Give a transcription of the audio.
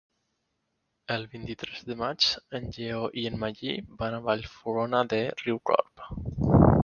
El vint-i-tres de maig en Lleó i en Magí van a Vallfogona de Riucorb.